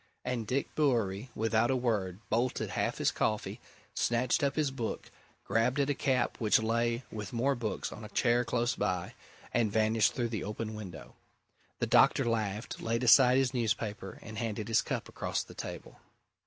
And Dick Bewery, without a word, bolted half his coffee, snatched up his book, grabbed at a cap which lay with more books on a chair close by, and vanished through the open window. The doctor laughed, laid aside his newspaper, and handed his cup across the table.